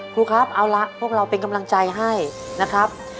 ครูครับเอาละพวกเราเป็นกำลังใจให้นะครับ